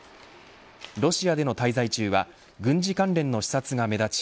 ロシアでの滞在中は軍事関連の視察が目立ち